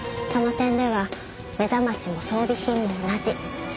その点では目覚ましも装備品も同じ。